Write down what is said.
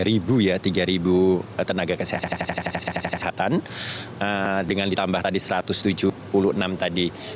tiga ribu ya tiga ribu tenaga kesehatan dengan ditambah tadi satu ratus tujuh puluh enam tadi